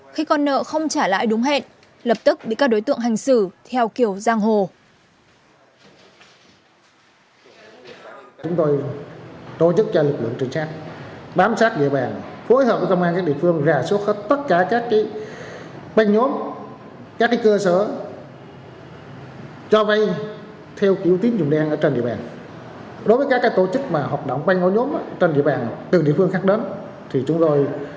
khi con nợ không trả lại đúng hẹn lập tức bị các đối tượng hành xử theo kiểu giang hồ